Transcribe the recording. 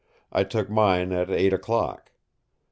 I took mine at eight o'clock.